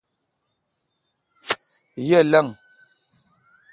یہ۔ لنگ